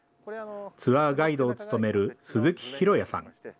ツアーガイドを務める鈴木浩也さん。